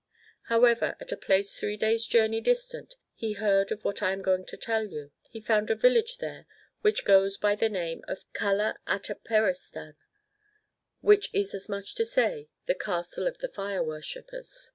However, at a place three days' journey distant he heard of what I am going to tell you. He found a village there which goes by the name of Cala Ataperistan,^ which is as much as to say, " The Castle of the Fire worshippers."